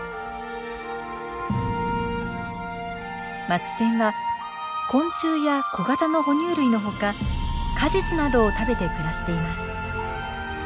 マツテンは昆虫や小型のほ乳類のほか果実などを食べて暮らしています。